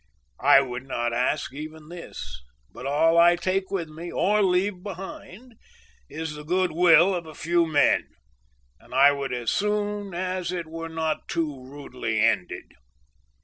I would not ask even this, but all I take with me, or leave behind, is the good will of a few men, and I would as soon as it were not too rudely ended.